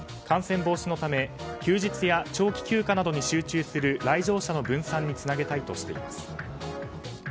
感染防止のため休日や長期休暇などに集中する来場者の分散につなげたいとしています。